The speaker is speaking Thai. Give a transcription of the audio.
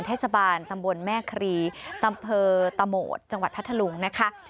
เทศบาลตำบลแม่ครีอำเภอตะโหมดจังหวัดพัทธลุงนะคะ